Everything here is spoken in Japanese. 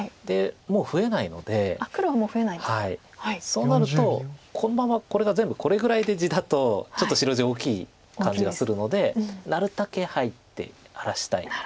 そうなるとこのままこれが全部これぐらいで地だとちょっと白地大きい感じがするのでなるたけ入って荒らしたい。